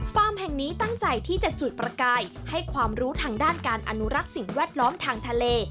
แห่งนี้ตั้งใจที่จะจุดประกายให้ความรู้ทางด้านการอนุรักษ์สิ่งแวดล้อมทางทะเล